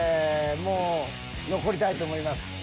もう残りたいと思います。